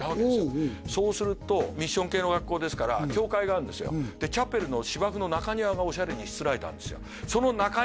うんうんそうするとミッション系の学校ですから教会があるんですよでチャペルの芝生の中庭がオシャレに設えてあるんですよ